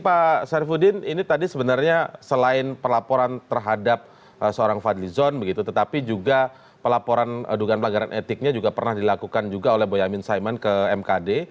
pak sarifudin ini tadi sebenarnya selain pelaporan terhadap seorang fadli zon begitu tetapi juga pelaporan dugaan pelanggaran etiknya juga pernah dilakukan juga oleh boyamin saiman ke mkd